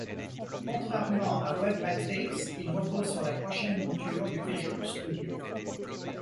Contrairement à Web Matrix il repose sur la prochaine mouture de Visual Studio.